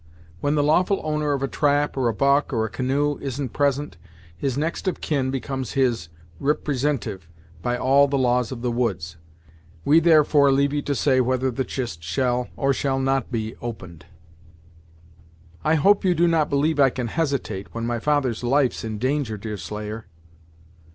When the lawful owner of a trap, or a buck, or a canoe, isn't present, his next of kin becomes his riprisentyve by all the laws of the woods. We therefore leave you to say whether the chist shall, or shall not be opened." "I hope you do not believe I can hesitate, when my father's life's in danger, Deerslayer!"